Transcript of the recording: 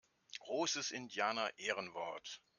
Großes Indianerehrenwort!